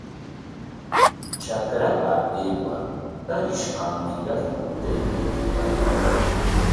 Trakrapa aywar, ¿tarish kankiraqku taytaykita?